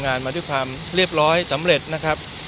ทุกอย่างเราทำงานมาด้วยความเรียบร้อยสำเร็จนะครับ